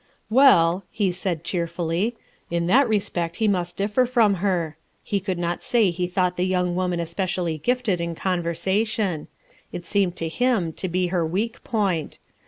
"Well," he said cheerfully. In that respect he must differ from her. He could not say he thought the young woman especially gifted in conversation; it seemed to him to be her weak point.